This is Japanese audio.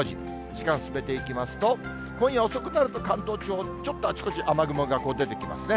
時間進めていきますと、今夜遅くなると関東地方、ちょっとあちこち雨雲が出てきますね。